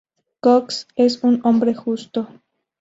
Cox es un hombre justo.